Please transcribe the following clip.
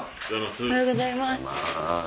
おはようございます。